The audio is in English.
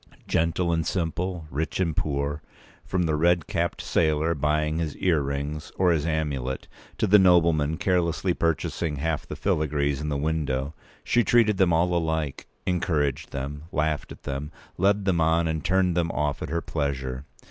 Gentle and simple, rich and poor, from the red capped sailor buying his earrings or his amulet, to the nobleman carelessly purchasing half the filigrees in the window, she treated them all alike—encouraged them, laughed at them, led them on and turned them off at her pleasure.